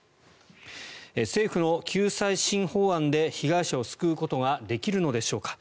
政府の救済新法案で被害者を救うことができるのでしょうか。